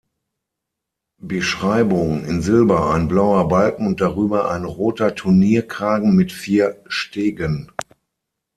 Beschreibung: In Silber ein blauer Balken und darüber ein roter Turnierkragen mit vier Stegen.